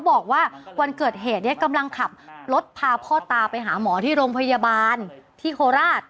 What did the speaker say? บอกว่าวันเกิดเหตุเนี่ยกำลังขับรถพาพ่อตาไปหาหมอที่โรงพยาบาลที่โคราช